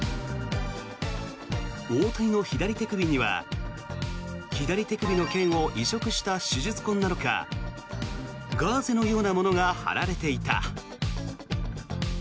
大谷の左手首には左手首の腱を移植した手術痕なのかガーゼのようなものが貼られていた。